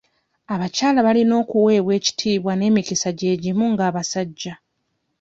Abakyala balina okuweebwa ekitiibwa n'emikisa gyegimu ng'abasajja.